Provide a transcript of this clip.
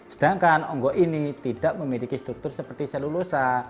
sedangkan ongok ini tidak memiliki struktur seperti selulosa